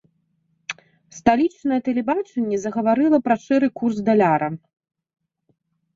Сталічнае тэлебачанне загаварыла пра шэры курс даляра.